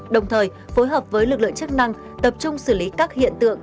đồng thời phối hợp với lực lượng chức năng tập trung xử lý các hiện tượng